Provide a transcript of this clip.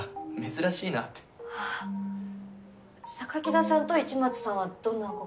田さんと市松さんはどんなご関係で。